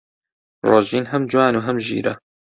ڕۆژین هەم جوان و هەم ژیرە.